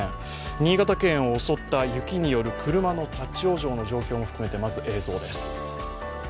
新潟県を襲った雪による車の立往生の状況も含めてまず映像です。